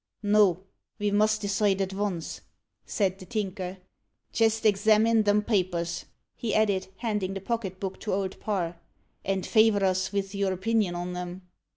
"No; ve must decide at vonce," said the Tinker. "Jist examine them papers," he added, handing the pocket book to Old Parr, "and favour us vith your opinion on 'em."